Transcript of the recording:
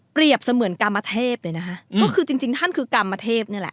เสมือนกรรมเทพเลยนะคะก็คือจริงท่านคือกรรมเทพนี่แหละ